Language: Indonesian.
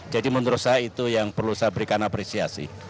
jadi menurut saya itu yang perlu saya berikan apresiasi